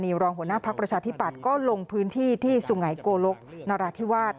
ต้นยามณีรองหัวหน้าพักประชาธิปัตย์ก็ลงพื้นที่ที่สุ่งไหนโกรกนราธิวาส